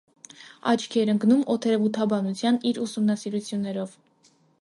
Աչքի էր ընկնում օդերևութաբանության իր ուսումնասիրություններով։